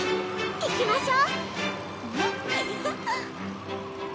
行きましょ！